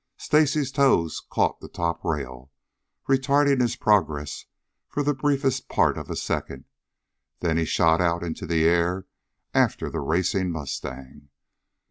Stacy's toes caught the top rail, retarding his progress for the briefest part of a second, then he shot out into the air after the racing mustang.